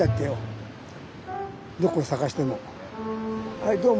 はいどうも。